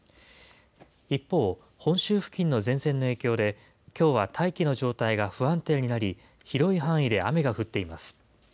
一方、本州付近の前線の影響で、きょうは大気の状態が不安定になり、広い範囲で雨が降っています。